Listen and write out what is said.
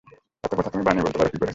এত কথা তুমি বানিয়ে বলতে পার কী করে?